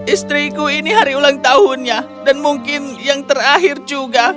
istriku ini hari ulang tahunnya dan mungkin yang terakhir juga